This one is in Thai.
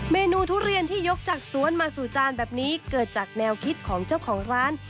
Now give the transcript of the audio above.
เมนูทุเรียนที่ยกจากสวนมาสู่จานแบบนี้เกิดจากแนวคิดของเจ้าของร้าน